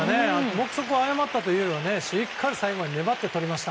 目測を誤ったというよりはしっかり最後まで粘ってとりました。